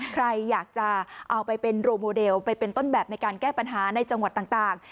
ใครอยากจะเอาไปเป็นโรโมเดลไปเป็นต้นแบบในการแก้ปัญหาในจังหวัดต่าง